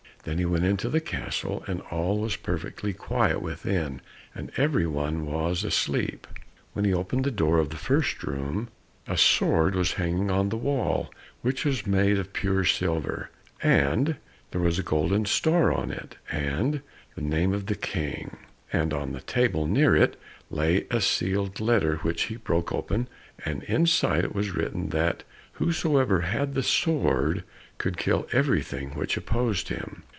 Then he went into the castle, and all was perfectly quiet within, and every one was asleep. When he opened the door of the first room, a sword was hanging on the wall which was made of pure silver, and there was a golden star on it, and the name of the King, and on a table near it lay a sealed letter which he broke open, and inside it was written that whosoever had the sword could kill everything which opposed him.